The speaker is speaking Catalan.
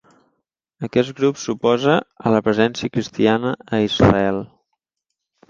Aquest grup s'oposa a la presència cristiana a Israel.